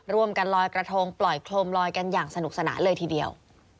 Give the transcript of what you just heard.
ลอยกระทงปล่อยโครมลอยกันอย่างสนุกสนานเลยทีเดียว